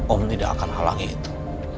om tidak akan halangi itu